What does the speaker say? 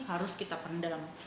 harus kita pendam